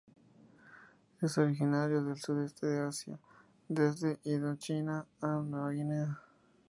Es originario del sudeste de Asia, desde Indochina a Nueva Guinea.